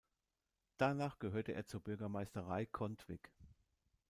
Danach gehörte er zur Bürgermeisterei Contwig.